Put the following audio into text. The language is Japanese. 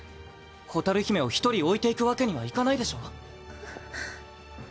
蛍姫を一人置いていくわけにはいかないでしょ？あっ。